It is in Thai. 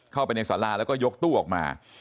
เข้าไปในสาราแล้วก็ยกตู้ออกมา